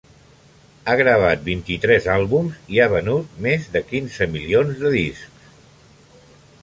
Ha gravat vint-i-tres àlbums i ha venut més de quinze milions de discs.